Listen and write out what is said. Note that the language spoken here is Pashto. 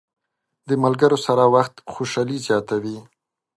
د ملګرو سره وخت خوشحالي زیاته وي.